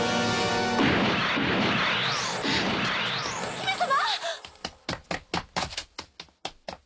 姫様！